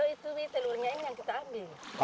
itu telurnya ini yang kita ambil